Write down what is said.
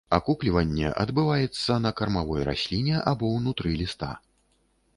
Акукліванне адбываецца на кармавой расліне або ўнутры ліста.